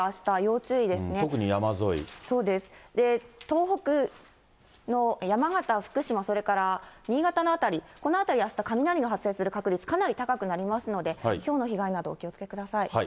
東北の山形、福島、それから新潟の辺り、この辺り、あした雷の発生する確率、かなり高くなりますので、ひょうの被害など、お気をつけください。